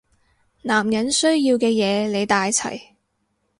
男人需要嘅嘢你帶齊